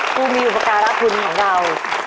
ผู้มีบคารราบคุณของเรา